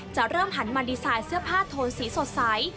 จะเริ่มหันมาดีไซน์เสื้อผ้าโทนสีสดใส